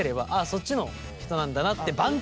そっちの人なんだなって挽回できる。